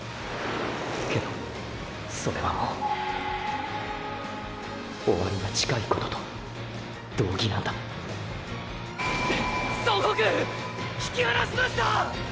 けどそれはもう終焉が近いことと同義なんだ総北引き離しました！